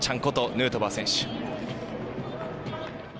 ヌートバー選手。